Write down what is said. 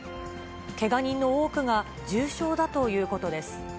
けが人の多くが重傷だということです。